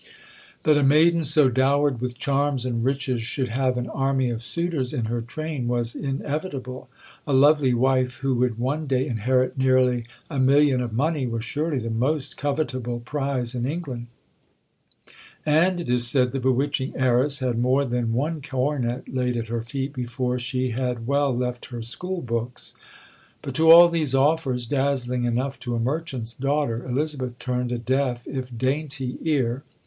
That a maiden so dowered with charms and riches should have an army of suitors in her train was inevitable. A lovely wife who would one day inherit nearly a million of money was surely the most covetable prize in England; and, it is said, the bewitching heiress had more than one coronet laid at her feet before she had well left her school books. But to all these offers, dazzling enough to a merchant's daughter, Elizabeth turned a deaf, if dainty ear.